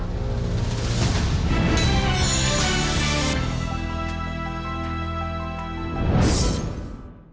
สวัสดีครับ